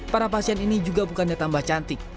para pasien ini juga bukannya tambah cantik